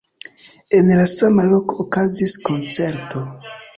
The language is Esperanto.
En la sama loko okazis koncerto.